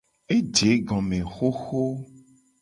Eje egome hoho.